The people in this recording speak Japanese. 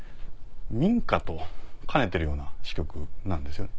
民家と兼ねてるような支局なんですよね。